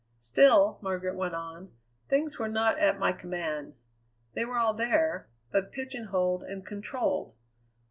"Still," Margaret went on, "things were not at my command. They were all there, but pigeon holed and controlled.